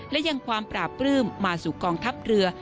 และยังความปราบปลื้มมาสู่กองทัพเรือ